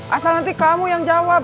asal nanti kamu yang jawab